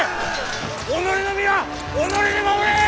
己の身は己で守れ！